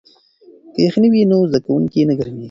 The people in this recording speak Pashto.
که یخنۍ وي نو زده کوونکی نه ګرمیږي.